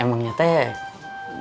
emangnya teh boleh belajar dulu